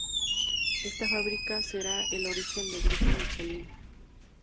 Esta fábrica será el origen del grupo Michelin.